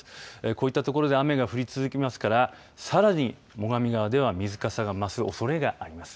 こういった所で雨が降り続きますからさらに最上川では水かさが増すおそれがあります。